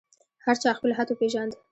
هر چا خپل حد وپېژاند.